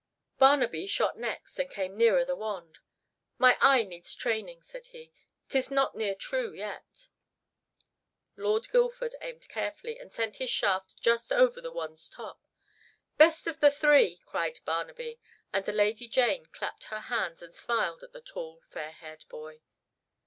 Barnaby shot next and came nearer the wand. "My eye needs training," said he. "'Tis not near true yet." Lord Guildford aimed carefully, and sent his shaft just over the wand's top. "Best of the three!" cried Barnaby, and the Lady Jane clapped her hands and smiled at the tall, fair haired boy.